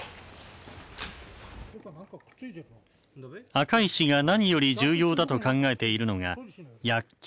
赤石が何より重要だと考えているのが薬莢。